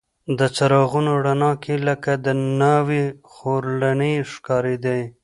د څراغونو رڼا کې لکه د ناوې خورلڼې ښکارېدې.